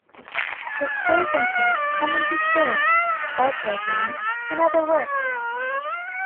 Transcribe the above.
His plays include "Come and Be Killed", "Buglar Boy" and other works.